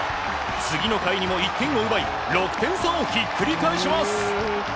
次の回にも１点を奪い６点差をひっくり返します。